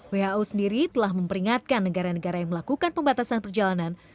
who sendiri telah memperingatkan negara negara yang melakukan pembatasan perjalanan